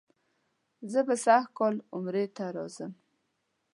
زه به سږ کال عمرې ته راځم.